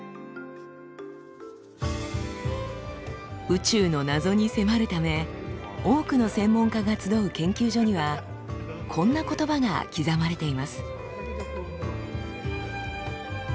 宇宙の謎に迫るため多くの専門家が集う研究所にはこんな言葉が刻まれています。